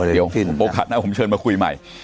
เดี๋ยวผมโปรคัตนะผมเชิญมาคุยใหม่